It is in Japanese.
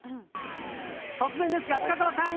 突然ですが、深澤さん！